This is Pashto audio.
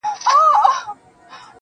o دادی ټکنده غرمه ورباندي راغله.